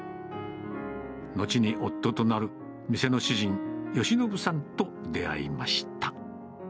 後に夫となる店の主人、義信さんと出会いました。